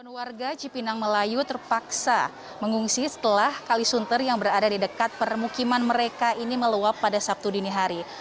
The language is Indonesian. delapan warga cipinang melayu terpaksa mengungsi setelah kali sunter yang berada di dekat permukiman mereka ini meluap pada sabtu dini hari